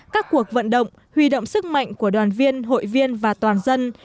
các cuộc vận động huy động sức mạnh của đoàn viên hội viên và toàn dân